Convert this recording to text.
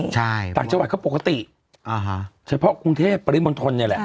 ใช่ต่างจังหวัดก็ปกติอ่าฮะเฉพาะกรุงเทพปริมณฑลเนี่ยแหละ